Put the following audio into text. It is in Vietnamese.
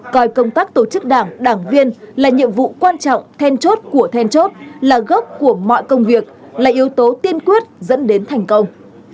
coi công tác tổ chức đảng đảng viên là nhiệm vụ quan trọng then chốt của then chốt là gốc của mọi công việc là yếu tố tiên quyết dẫn đến thành công